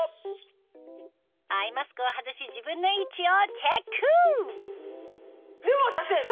アイマスクを外し自分の位置をチェックでも私ね